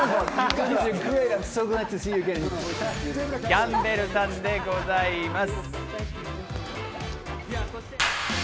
キャンベルさんでございます！